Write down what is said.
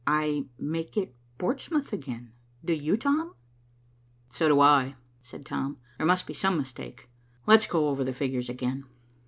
"I make it Portsmouth again. Do you, Tom?" "So do I," said Tom. "There must be some mistake. Let's go over the figures again."